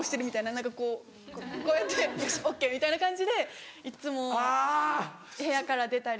何かこうこうやって「よしＯＫ」みたいな感じでいっつも部屋から出たり。